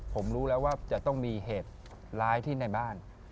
ผมรู้แล้วว่าจะต้องมีเหตุร้ายที่ในบ้าน